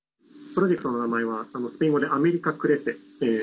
プロジェクトの名前はスペイン語でアメリカ・クレッセ。